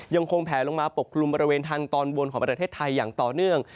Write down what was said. ยังคงแผลลงมาปกกลุ่มบริเวณทางตอนบนของประเทศไทยอย่างต่อเนื่อง